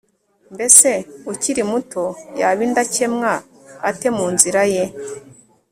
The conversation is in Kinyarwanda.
mbese ukiri muto yaba indakemwa ate mu nzira ye